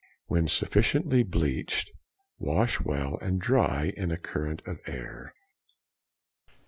When sufficiently bleached, wash well, and dry in a current of air.